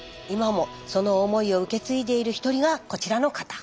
今もその思いを受け継いでいる一人がこちらの方。